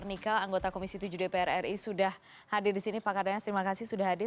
nika anggota komisi tujuh dpr ri sudah hadir di sini pak kardang terima kasih sudah hadir